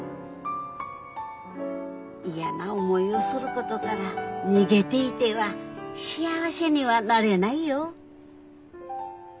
嫌な思いをすることから逃げていては幸せにはなれないよ。